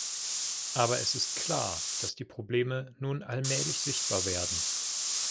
Aber es ist klar, dass die Probleme nun allmählich sichtbar werden.